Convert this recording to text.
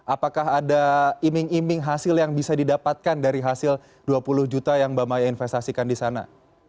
apakah ada iming iming hasil yang bisa didapatkan dari hasil dua puluh juta yang mbak maya investasikan di sana